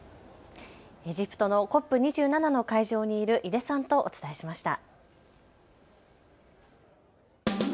エジプトのＣＯＰ２７の会場にいる井出さんとお伝えしました。